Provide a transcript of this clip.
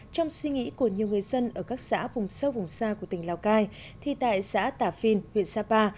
trong suy nghĩ của nhiều người dân ở các xã vùng sâu vùng xa của tỉnh lào cai thì tại xã tả phin huyện sapa